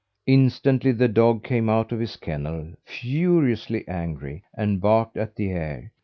Instantly the dog came out of his kennel furiously angry and barked at the air.